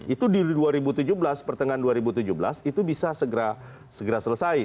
itu di dua ribu tujuh belas pertengahan dua ribu tujuh belas itu bisa segera selesai